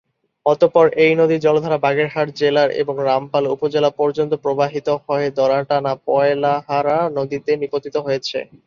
অতঃপর এই নদীর জলধারা বাগেরহাট জেলার এবং রামপাল উপজেলা পর্যন্ত প্রবাহিত হয়ে দড়াটানা-পয়লাহারা নদীতে নিপতিত হয়েছে।